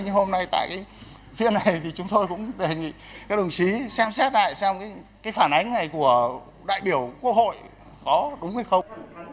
nhưng hôm nay tại cái phiên này thì chúng tôi cũng đề nghị các đồng chí xem xét lại xem cái phản ánh này của đại biểu quốc hội có đúng hay không